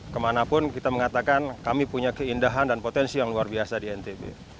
kemanapun kita mengatakan kami punya keindahan dan potensi yang luar biasa di ntb